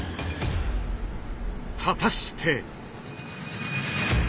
果たして。